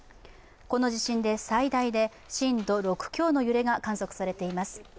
この地震で最大で震度６強の揺れが観測されています。